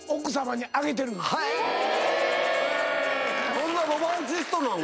そんなロマンチストなの？